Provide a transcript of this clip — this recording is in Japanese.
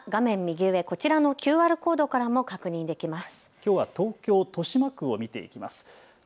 内容は画面右上、こちらのＱＲコードからも確認できます。